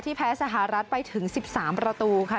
แพ้สหรัฐไปถึง๑๓ประตูค่ะ